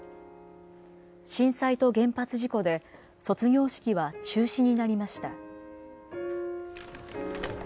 震災と原発事故で、卒業式は中止になりました。